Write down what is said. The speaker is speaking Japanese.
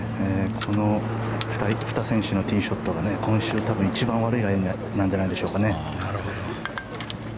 この２選手のティーショットが今週一番悪いライなんじゃないですかね。